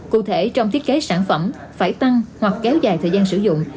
cụ thể trong thiết kế sản phẩm phải tăng hoặc kéo dài thời gian sử dụng